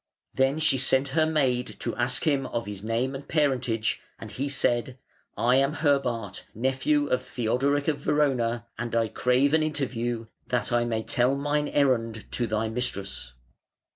Then she sent her maid to ask him of his name and parentage, and he said: "I am Herbart, nephew of Theodoric of Verona, and I crave an interview, that I may tell mine errand to thy mistress".